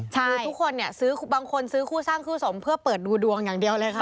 ใช่บางคนซื้อคู่สร้างคู่สมเพื่อเปิดดูดวงอย่างเดียวเลยค่ะ